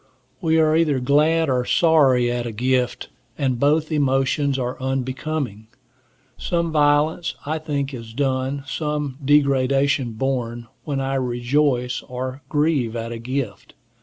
We are either glad or sorry at a gift, and both emotions are unbecoming. Some violence, I think, is done, some degradation borne, when I rejoice or grieve at a gift.